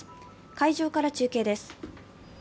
会場から中継です。